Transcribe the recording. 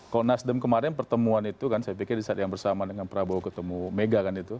kalau nasdem kemarin pertemuan itu kan saya pikir di saat yang bersama dengan prabowo ketemu mega kan itu